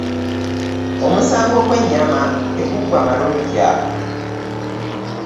Omusango gw'ennyama tegugwa malojja.